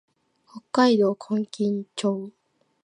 北海道今金町